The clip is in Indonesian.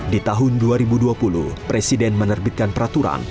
di tahun dua ribu dua puluh presiden menerbitkan peraturan